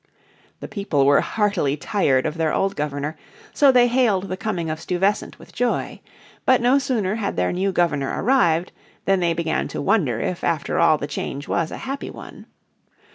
The people were heartily tired of their old Governor, so they hailed the coming of Stuyvesant with joy. But no sooner had their new Governor arrived than they began to wonder if after all the change was a happy one.